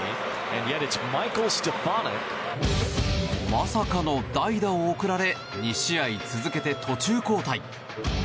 まさかの代打を送られ２試合続けて途中交代。